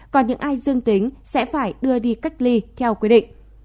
còn những ai dương tính sẽ phải đưa đi cách ly theo quy định